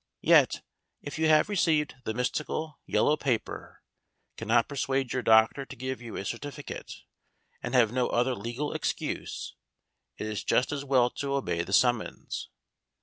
Yet, if you have received the mystical, yellow paper, cannot persuade your doctor to give you a certificate, and have no other legal excuse, it is just as well to obey the summons.